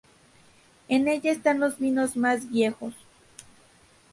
En ella están los vinos más viejos.